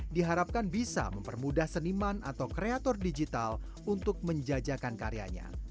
diharapkan bisa mempermudah seniman atau kreator digital untuk menjajakan karyanya